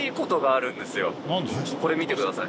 これ見てください。